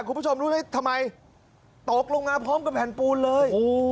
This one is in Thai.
คุณผู้ชมรู้เลยทำไมตกลงมาพร้อมกับแผ่นปูนเลย